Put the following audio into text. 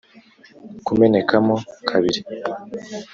kumeneka mo kabiri